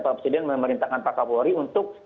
pak presiden memerintahkan pak kapolri untuk